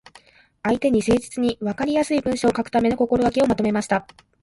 相手に誠実に、わかりやすい文章を書くための心がけをまとめました。